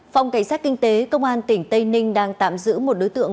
phòng cảnh sát kinh tế công an tỉnh tây ninh đang tạm giữ một đối tượng